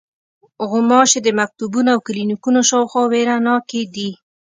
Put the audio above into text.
غوماشې د مکتبونو او کلینیکونو شاوخوا وېره ناکې دي.